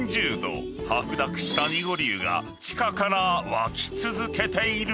白濁した濁り湯が地下から湧き続けている］